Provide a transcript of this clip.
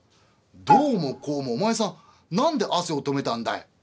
「どうもこうもお前さん何でアセをとめたんだい？」。